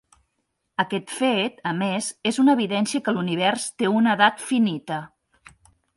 Aquest fet, a més, és una evidència que l'univers té una edat finita.